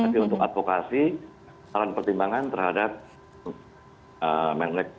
tapi untuk advokasi saran pertimbangan terhadap bumn